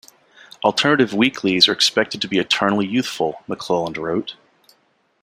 "Alternative weeklies are expected to be eternally youthful," McClelland wrote.